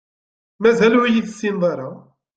Mazal ur iyi-tessineḍ ara.